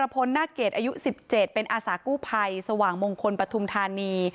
พลนาคเกตอายุ๑๗เป็นอาสากู้ภัยสว่างมงคลปฐุมธานี